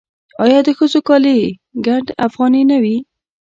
آیا د ښځو کالي ګنډ افغاني نه وي؟